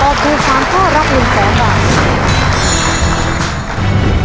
ตอบถูกสามข้อรับหนึ่งแสนบาท